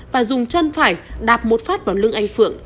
và dùng chân phải đạp một phát vào lưng anh phượng